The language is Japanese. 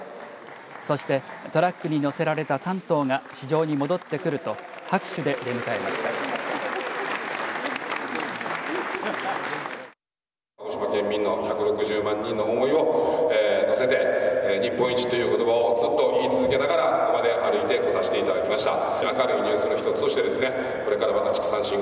そしてトラックに載せられた３頭が市場に戻ってくると拍手で出迎えました。